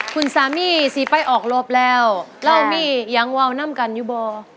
คุณสามีสิไปออกรบแล้วแล้วมียังวาวนำกันอยู่บ่อ